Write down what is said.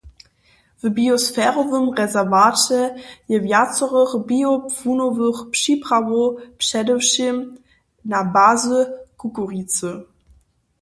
W biosferowym rezerwaće je wjacorych biopłunowych připrawow předewšěm na bazy kukuricy.